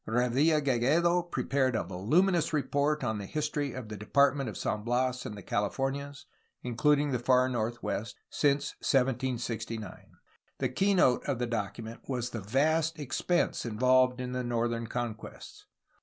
Revilla Gigedo prepared a voluminous report on the his tory of the Department of San Bias and the Califomias (including the far northwest) since 1769. The keynote of the document was the vast expense involved in the northern conquests.